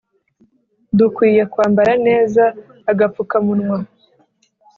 dukwiye kwambara neza agapfukamunwa